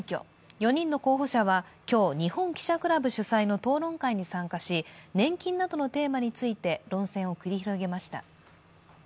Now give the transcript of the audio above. ４人の候補者は今日、日本記者クラブ主催の討論会に参加し、年金などのテーマについて論戦を繰り広げました。